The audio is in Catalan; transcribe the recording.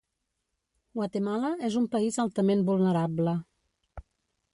Guatemala és un país altament vulnerable.